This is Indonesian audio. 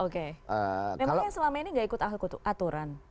memangnya selama ini gak ikut aturan